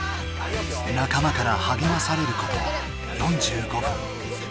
仲間からはげまされること４５分。